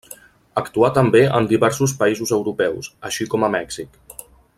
Actuà també en diversos països europeus, així com a Mèxic.